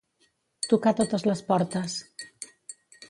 Tocar totes les portes.